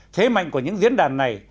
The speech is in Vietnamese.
thế mạnh của những diễn đàn này